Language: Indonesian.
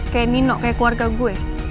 kayak nino kayak keluarga gue